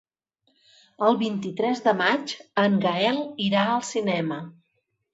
El vint-i-tres de maig en Gaël irà al cinema.